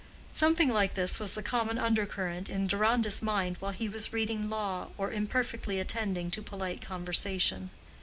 Something like this was the common under current in Deronda's mind while he was reading law or imperfectly attending to polite conversation.